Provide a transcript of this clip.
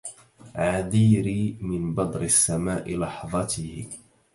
عذيري من بدر السماء لحظته